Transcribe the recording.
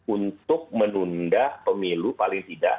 untuk menunda pemilu paling tidak